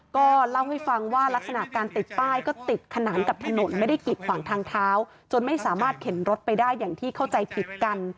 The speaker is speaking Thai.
ก็เล่าให้ฟังว่ารักษณะการติดป้ายก็ติดขนานกับถนนไม่ได้กิดขวางทางเท้าจนไม่สามารถเข็นรถไปได้อย่างที่เข้าใจผิดกัน